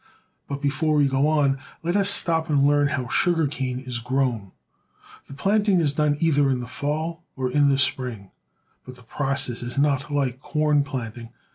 But before we go on, let us stop and learn how sugar cane is grown. The planting is done either in the fall or in the spring, but the process is not like corn planting.